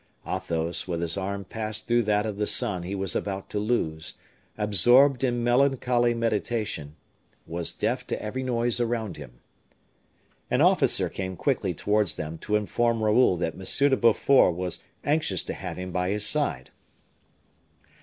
Athos, with his arm passed through that of the son he was about to lose, absorbed in melancholy meditation, was deaf to every noise around him. An officer came quickly towards them to inform Raoul that M. de Beaufort was anxious to have him by his side.